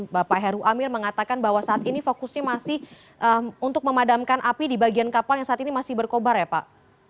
bapak heru amir mengatakan bahwa saat ini fokusnya masih untuk memadamkan api di bagian kapal yang saat ini masih berkobar ya pak